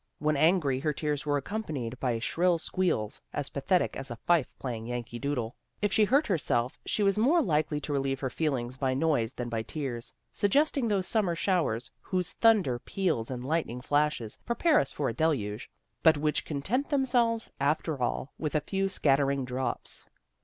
When angry her tears were accompanied by shrill squeals, as pathetic as a fife playing Yankee Doodle. If she hurt herself she was more likely to relieve her feelings by noise than by tears, suggesting those summer showers whose thunder peals and lightning flashes prepare us for a deluge, but which content themselves, after all, with a few scattering drops.